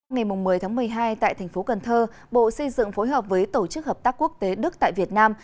ngày một mươi một mươi hai tại tp cn bộ xây dựng phối hợp với tổ chức hợp tác quốc tế đức tại việt nam